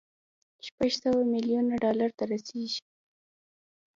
شپږ سوه ميليونه ډالر ته رسېږي.